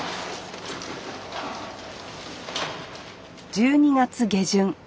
１２月下旬。